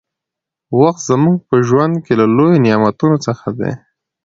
وخت زموږ په ژوند کې له لويو نعمتونو څخه دى.